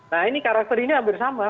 nah ini karakter ini hampir sama